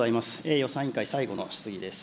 予算委員会最後の質疑です。